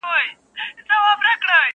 چلېدل یې په مرغانو کي امرونه؛